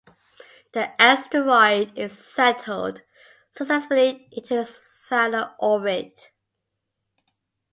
The asteroid is settled successfully into its final orbit.